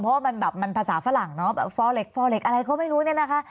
เพราะว่ามันภาษาฝรั่งฟอเล็กอะไรก็ไม่รู้นะคะ